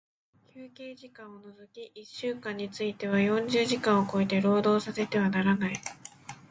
休憩時間を除き一週間について四十時間を超えて、労働させてはならない。